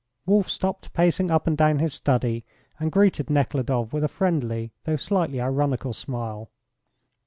Wolf stopped pacing up and down his study, and greeted Nekhludoff with a friendly though slightly ironical smile.